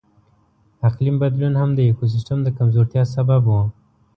اقلیم بدلون هم د ایکوسیستم د کمزورتیا سبب و.